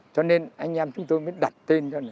cho nên anh em chúng tôi mới đặt tên cho là